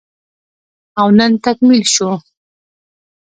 او نن تکميل شو